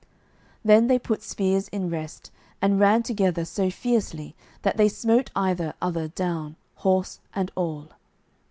Then they put spears in rest and ran together so fiercely that they smote either other down, horse and all.